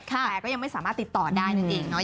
แต่ก็ยังไม่สามารถติดต่อได้นั่นเองเนาะ